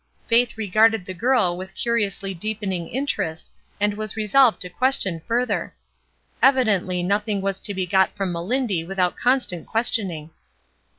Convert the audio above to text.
Faith re garded the girl with curiously deepening in terest, and was resolved to question further. Evidently nothing was to be got from Melindy without constant questioning.